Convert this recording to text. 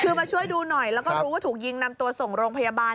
คือมาช่วยดูหน่อยแล้วก็รู้ว่าถูกยิงนำตัวส่งโรงพยาบาล